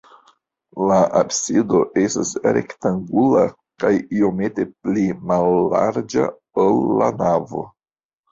La absido estas rektangula kaj iomete pli mallarĝa, ol la navo.